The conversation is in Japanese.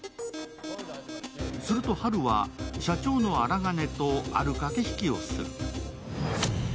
するとハルは社長の鉱とある駆け引きをする。